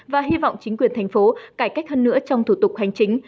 và hy vọng chính quyền thành phố cải cách hơn nữa trong thủ tục hành chính